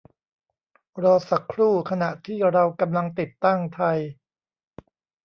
รอสักครู่ขณะที่เรากำลังติดตั้งไทย